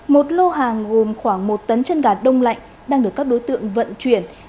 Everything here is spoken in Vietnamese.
một lô hàng gồm khoảng một tấn chân gà đông lạnh đang được các đối tượng vận chuyển